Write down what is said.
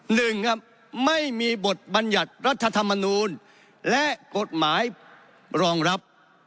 หนึ่งครับไม่มีบทบัญญัติรัฐธรรมนูลและกฎหมายรองรับ